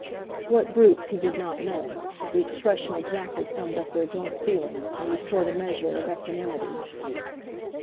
What brutes he did not know, but the expression exactly summed up their joint feeling, and restored a measure of equanimity.